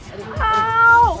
aduh aduh aduh